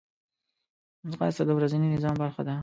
ځغاسته د ورځني نظام برخه ده